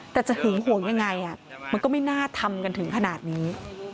แต่จะหึงหวงยังไงมันก็ไม่น่าทำกันถึงขนาดนี้